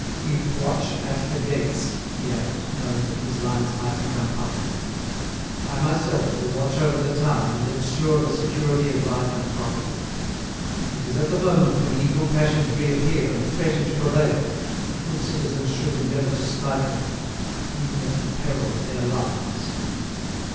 "Keep watch at the gates," he added, knowing that these lines might become public: "I myself will watch over the town and ensure the security of life and property. It is at the moment when evil passions reappear and threaten to prevail that good citizens should endeavour to stifle them, even at the peril of their lives."